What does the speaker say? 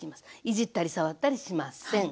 いじったり触ったりしません。